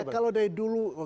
iya kalau dari dulu